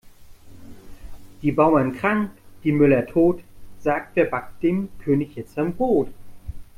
Die Bauern krank, die Müller tot, sagt wer backt dem König jetzt sein Brot?